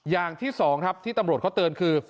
อย่างที่๒ที่ตำรวจเขาเตินคือ